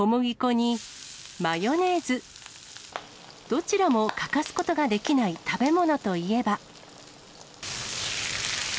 どちらも欠かすことができない食べ物といえば。